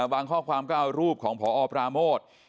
ข้อความก็เอารูปของพอปราโมท